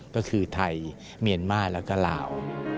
ก็คือไทยเมียนมาร์แล้วก็ลาว